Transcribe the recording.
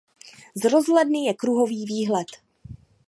Z rozhledny je kruhový výhled.